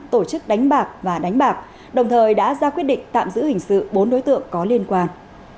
tổ chức đánh bạc và đánh bạc đồng thời đã ra quyết định tạm giữ hình sự bốn đối tượng có liên quan